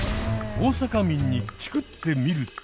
大阪民にチクってみると。